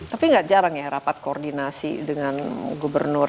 tapi gak jarang ya rapat koordinasi dengan gubernur